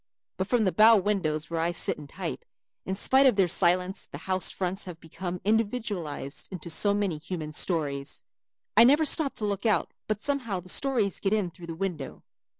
But from the bow windows where I sit and type, in spite of their silence the house fronts have become individualized into so many human stories. I never stop to look out but somehow the stories get in through the window.